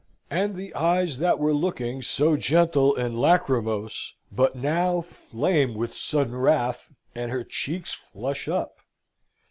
And the eyes that were looking so gentle and lachrymose but now, flame with sudden wrath, and her cheeks flush up.